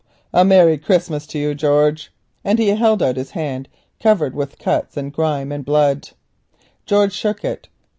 A merry Christmas to you, George!" and he held out his hand, covered with cuts, grime and blood. George shook it.